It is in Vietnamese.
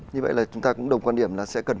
như vậy là chúng ta cũng đồng quan điểm là sẽ cần